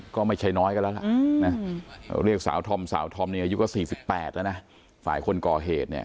ก็ไม่ใช่น้อยกันแล้วเรียกสาวธรรมสาวธรรมนี้อายุก็๔๘แล้วนะฝ่ายคนก่อเหตุ